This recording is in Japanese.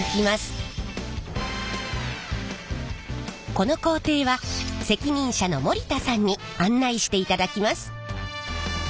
この工程は責任者の森田さんに案内していただきます。